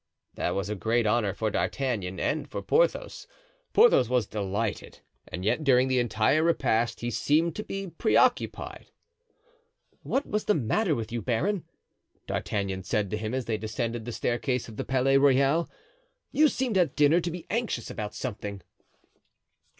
That was a great honor for D'Artagnan and for Porthos. Porthos was delighted; and yet during the entire repast he seemed to be preoccupied. "What was the matter with you, baron?" D'Artagnan said to him as they descended the staircase of the Palais Royal. "You seemed at dinner to be anxious about something."